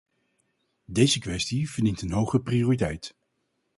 Deze kwestie verdient een hoge prioriteit.